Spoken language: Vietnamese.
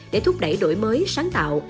để thúc đẩy đổi mới sáng tạo